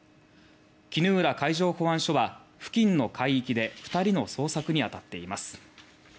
衣浦海上保安署は付近の海域で２人の捜索に当たっています。